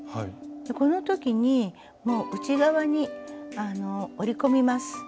この時にもう内側に折り込みます。